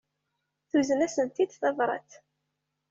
Tuzen-asent-id tabrat.